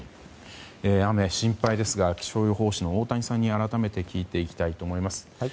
雨、心配ですが気象予報士の太谷さんに改めて聞いていきます。